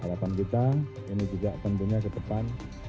harapan kita ini juga tentunya ke depan